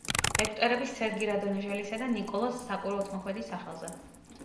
ეგვტერები სერგი რადონეჟელისა და ნიკოლოზ საკვირველთმოქმედის სახელზე.